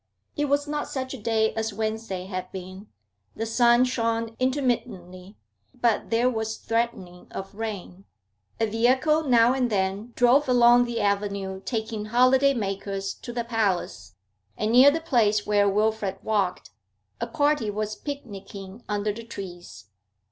It was not such a day as Wednesday had been; the sun shone intermittently, but there was threatening of rain. A vehicle now and then drove along the avenue taking holiday makers to the Palace, and, near the place where Wilfrid walked, a party was picnicking under the trees.